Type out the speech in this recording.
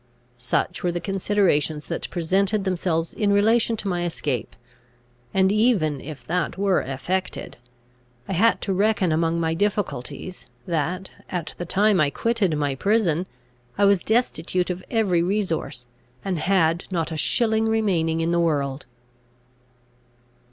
Such were the considerations that presented themselves in relation to my escape; and, even if that were effected, I had to reckon among my difficulties, that, at the time I quitted my prison, I was destitute of every resource, and had not a shilling remaining in the world.